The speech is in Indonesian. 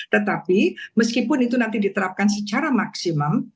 tetapi meskipun itu nanti diterapkan secara maksimum